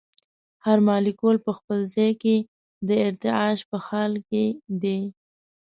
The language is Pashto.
هر مالیکول په خپل ځای کې د ارتعاش په حال کې دی.